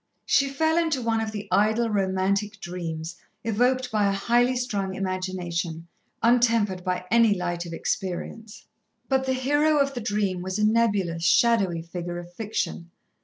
She fell into one of the idle, romantic dreams evoked by a highly strung imagination, untempered by any light of experience. But the hero of the dream was a nebulous, shadowy figure of fiction.